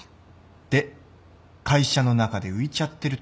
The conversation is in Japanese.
で会社の中で浮いちゃってると。